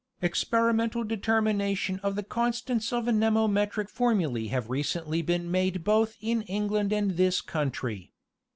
_ Experimental determination of the constants of anemometric formule have recently been made both in England and this country.